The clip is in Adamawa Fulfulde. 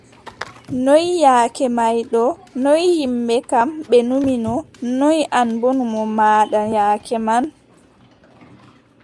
Noy yaake may ɗo, noy yimɓe kam, ɓe numino, noy an boo numo maaɗan yaake man?